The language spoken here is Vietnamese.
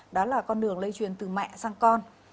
đó là con đường lây truyền từ mẹ sang con